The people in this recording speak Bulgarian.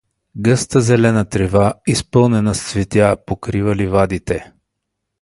Гъста зелена трева, изпъстрена с цветя, покрива ливадите.